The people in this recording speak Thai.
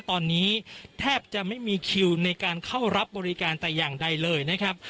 ตอนนี้แทบจะไม่มีคิวในการเข้ารับบริการแต่อย่างใดเลยนะครับ